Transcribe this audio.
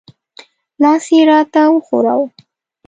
لاس یې را ته وښوراوه.